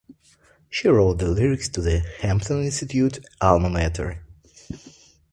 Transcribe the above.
She wrote the lyrics to the Hampton Institute "alma mater".